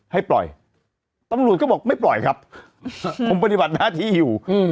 ให้ปล่อยตำรวจก็บอกไม่ปล่อยครับผมปฏิบัติหน้าที่อยู่